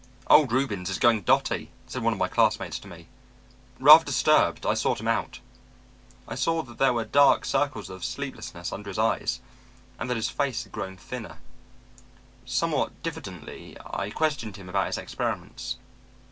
"'Old Reubens is going dotty,' said one of my classmates to me. Rather disturbed, I sought him out. I saw that there were dark circles of sleeplessness under his eyes and that his face had grown thinner. Somewhat diffidently I questioned him about his experiments.